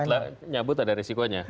karena nyabut lah nyabut ada risikonya